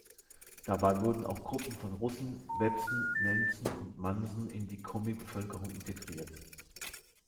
Dabei wurden auch Gruppen von Russen, Wepsen, Nenzen und Mansen in die Komi-Bevölkerung integriert.